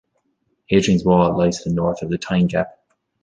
Hadrian's Wall lies to the north of the Tyne Gap.